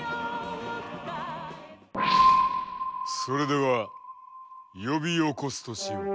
それでは呼び起こすとしよう。